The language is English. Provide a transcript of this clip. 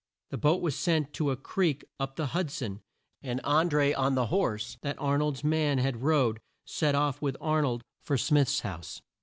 The boat was sent to a creek up the Hud son, and An dré on the horse that Ar nold's man had rode, set off with Ar nold for Smith's house.